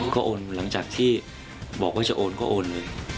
ก็โอนหลังจากที่บอกว่าจะโอนก็โอนเลย